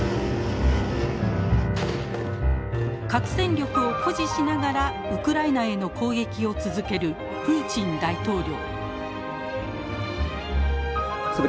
核戦力を誇示しながらウクライナへの攻撃を続けるプーチン大統領。